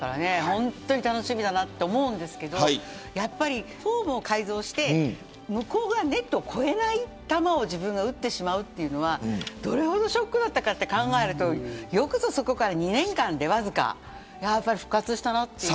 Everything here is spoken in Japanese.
本当に楽しみだと思うんですけれどやっぱりフォームを改造して向こう側ネットを越えない球を自分が打ってしまうというのはどれほどショックだったかと考えるとよくぞそこから２年間で、わずか復活したなという。